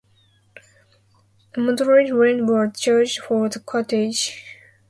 A moderate rent was charged for the cottages.